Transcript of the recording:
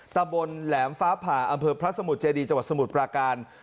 ตะบนแหลมฟ้าผ่าอำเภอพระสมุทรเจดีจังหวัดสมุทรปราการ